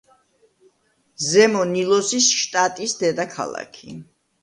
ზემო ნილოსის შტატის დედაქალაქი.